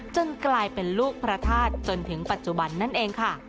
จนกลายเป็นลูกพระธาตุจนถึงปัจจุบันนั่นเองค่ะ